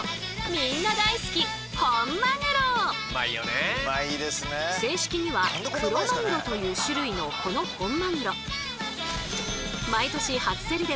みんな大好き正式にはクロマグロという種類のこの本マグロ。